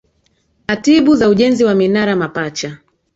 atibu za ujenzi wa minara mapacha